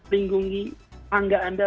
lindungi tangga anda